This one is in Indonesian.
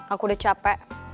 aku udah capek